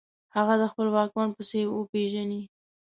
هغه د خپل واکمن په حیث وپیژني.